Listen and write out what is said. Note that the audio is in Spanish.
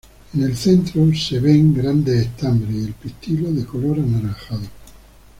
En el centro de ven grandes estambres y el pistilo de color anaranjado.